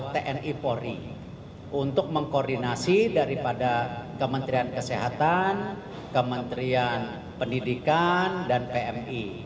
tni polri untuk mengkoordinasi daripada kementerian kesehatan kementerian pendidikan dan pmi